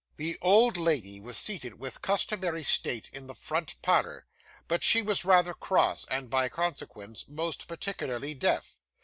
The old lady was seated with customary state in the front parlour, but she was rather cross, and, by consequence, most particularly deaf.